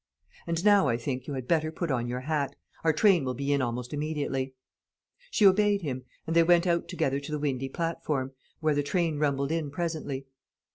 And now, I think, you had better put on your hat. Our train will be in almost immediately." She obeyed him; and they went out together to the windy platform, where the train rumbled in presently.